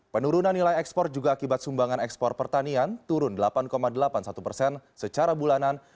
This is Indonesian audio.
penurunan nilai ekspor juga akibat sumbangan ekspor pertanian turun delapan delapan puluh satu persen secara bulanan